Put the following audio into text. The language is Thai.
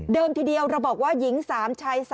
ทีเดียวเราบอกว่าหญิง๓ชาย๓